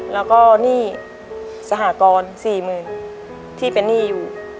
แล้วก็หนี้สหกรสี่หมื่นที่เป็นหนี้อยู่